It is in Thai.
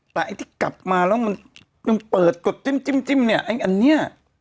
แต่ไอ้ที่กลับมาแล้วมันยังเปิดกดจิ้มเนี่ยไอ้อันเนี้ย